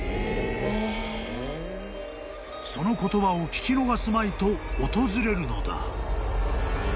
［その言葉を聞き逃すまいと訪れるのだ］